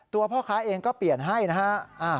พ่อค้าเองก็เปลี่ยนให้นะฮะ